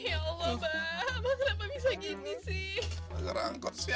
ya allah mbak kenapa bisa gini sih